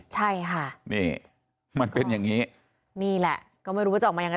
ใช่ค่ะนี่มันเป็นอย่างนี้นี่แหละก็ไม่รู้ว่าจะออกมายังไง